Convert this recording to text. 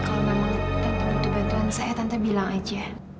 kalau memang tentu butuh bantuan saya tante bilang aja